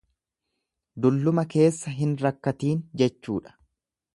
Dulluma keessa hin rakkatiin jechuudha.